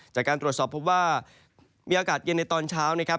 จากการตรวจสอบเพราะว่ามีอากาศเย็นในตอนเช้า